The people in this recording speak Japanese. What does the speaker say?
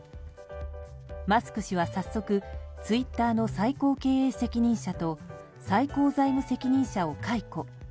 マスク氏は早速ツイッターの最高経営責任者と最高財務責任者を解雇。